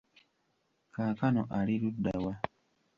Kaakano ali ludda wa?